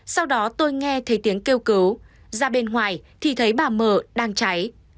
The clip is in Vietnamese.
sau đó tôi nghe thấy tiếng kêu cứu ra bên ngoài thì thấy bà mờ đang cháy